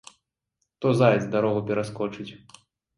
То заяц дарогу пераскочыць.